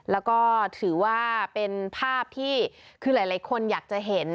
แล้วก็ถือว่าเป็นภาพที่คือหลายคนอยากจะเห็น